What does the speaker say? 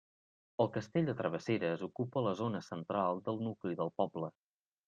El castell de Travesseres ocupa la zona central del nucli del poble.